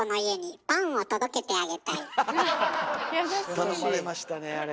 頼まれましたねえあれ。